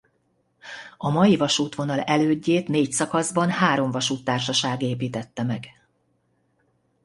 A mai vasútvonal elődjét négy szakaszban három vasúttársaság építette meg.